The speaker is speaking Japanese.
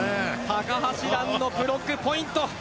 高橋藍のブロックポイント。